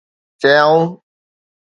چيائون